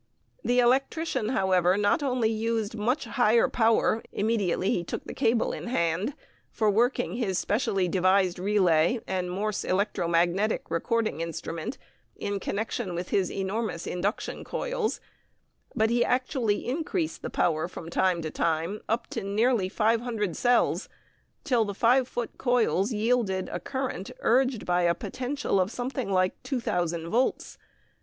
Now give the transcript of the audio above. The electrician, however, not only used much higher power immediately he took the cable in hand for working his specially devised relay and Morse electromagnetic recording instrument in connection with his enormous induction coils but actually increased the power from time to time up to nearly 500 cells, till the five foot coils yielded a current urged by a potential of something like 2,000 volts.